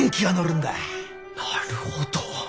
なるほど！